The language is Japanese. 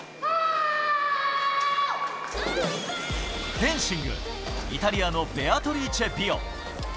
フェンシング、イタリアのベアトリーチェ・ビオ。